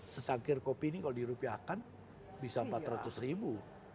secangkir kopi ini kalau dirupiahkan bisa empat ratus ribu